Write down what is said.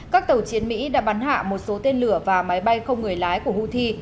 các tàu chiến mỹ đã bắn hạ một số tên lửa và máy bay không người lái của houthi